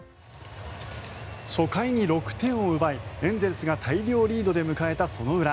初回に６点を奪いエンゼルスが大量リードで迎えたその裏。